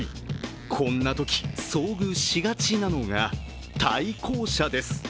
こんなとき、遭遇しがちなのが対向車です。